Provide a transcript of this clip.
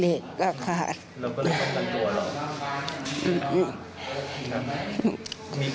เราก็ลืมบันทันตัวหรอก